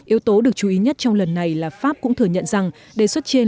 yếu tố được chú ý nhất trong lần này là pháp cũng thừa nhận rằng đề xuất trên